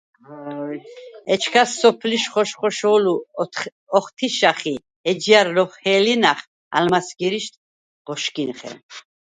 ეჩქას სოფლიშ ხოშ-ხოშოლუ ოხთიშახ ი ეჯჲა̈რ ლოჰელინახ ალმა̈სგირიშდ ღოშგიმხენ.